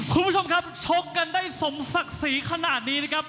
คุณผู้ชมครับชกกันได้สมศักดิ์ศรีขนาดนี้นะครับ